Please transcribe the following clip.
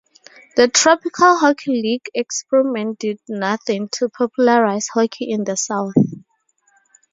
The Tropical Hockey League experiment did nothing to popularize hockey in the South.